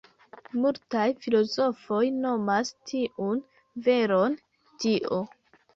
Multaj filozofoj nomas tiun veron “Dio”.